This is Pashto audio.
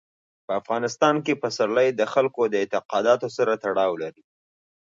په افغانستان کې پسرلی د خلکو د اعتقاداتو سره تړاو لري.